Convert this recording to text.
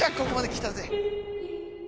ここまで来たぜ」